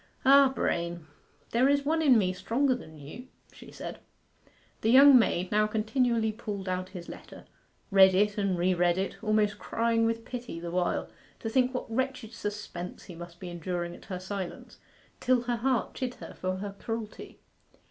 'Ah, Brain, there is one in me stronger than you!' she said. The young maid now continually pulled out his letter, read it and re read it, almost crying with pity the while, to think what wretched suspense he must be enduring at her silence, till her heart chid her for her cruelty.